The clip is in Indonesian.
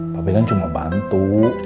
papi kan cuma bantu